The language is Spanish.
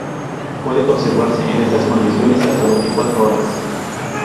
Puede conservarse en estas condiciones hasta veinticuatro horas.